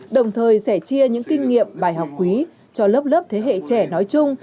đồng thời sẻ chia những kinh nghiệm bài học quý cho lớp lớp thế hệ trẻ nói chung